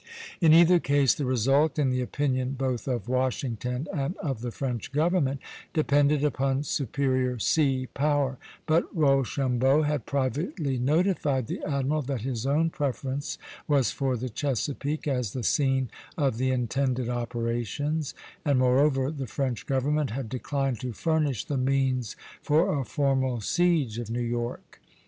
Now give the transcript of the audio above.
In either case the result, in the opinion both of Washington and of the French government, depended upon superior sea power; but Rochambeau had privately notified the admiral that his own preference was for the Chesapeake as the scene of the intended operations, and moreover the French government had declined to furnish the means for a formal siege of New York.